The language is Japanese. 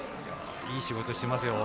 いい仕事しています。